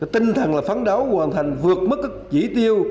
tinh thần là phán đấu hoàn thành vượt mức các chỉ tiêu